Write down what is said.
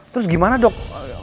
terus gimana dok